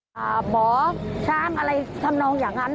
หมอช้างอะไรทำนองอย่างนั้น